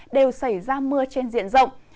đều xảy ra mưa trên diện rộng